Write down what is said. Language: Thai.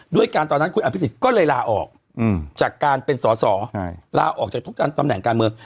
ด้วยการตอนนั้นคุณอภิษฎก็เลยลาออกจากการเป็นสอสอลาออกจากทุกตำแหน่งการเมือง